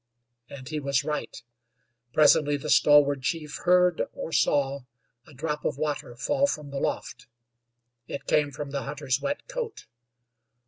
And he was right. Presently the stalwart chief heard, or saw, a drop of water fall from the loft. It came from the hunter's wet coat.